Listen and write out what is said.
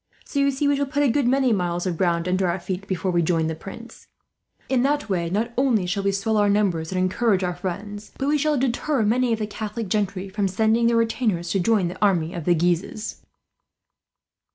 "So you see, we shall put a good many miles of ground under our feet, before we join the Prince. In that way not only shall we swell our numbers and encourage our friends, but we shall deter many of the Catholic gentry from sending their retainers to join the army of the Guises."